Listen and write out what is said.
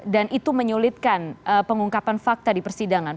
itu menyulitkan pengungkapan fakta di persidangan